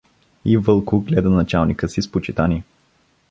— И Вълко гледа началника си с почитание.